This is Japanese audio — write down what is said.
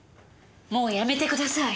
もうやめてください。